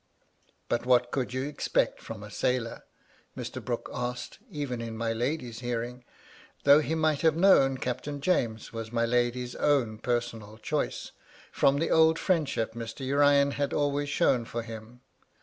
"But what could you expect from a sailor ?" Mr. Brooke asked, even in my lady's hearing ; though he might have known Captain James was my lady's own personal choice, from the old friendship Mr. Urian had always shown for him.